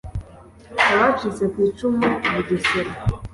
Abacitse ku icumu Bugesera